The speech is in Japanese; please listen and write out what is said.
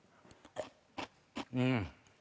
うん。